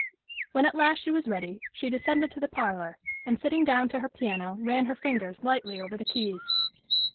When at last she was ready she descended to the parlor, and sitting down to her piano ran her fingers lightly over the keys.